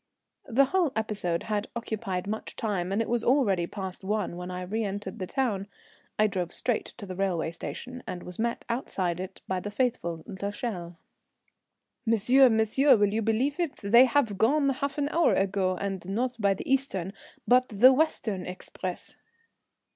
The whole episode had occupied much time, and it was already past one when I reëntered the town. I drove straight to the railway station, and was met outside it by the faithful l'Echelle. "Monsieur, monsieur, will you believe it? They have gone half an hour ago, and not by the eastern but the western express."